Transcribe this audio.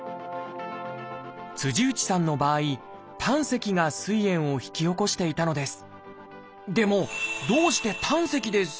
内さんの場合「胆石」がすい炎を引き起こしていたのです。